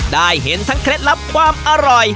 ได้เห็นทั้งเคล็ดลับความอร่อย